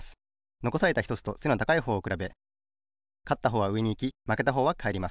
のこされたひとつと背の高いほうをくらべかったほうはうえにいきまけたほうはかえります。